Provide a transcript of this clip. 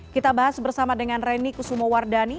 kita bahas bersama dengan reni kusumowardani